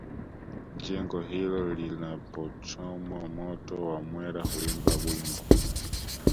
Jengo hilo linapochomwa moto wamwera huimba wimbo